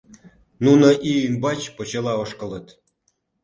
Нуно ий ӱмбач почела ошкылыт.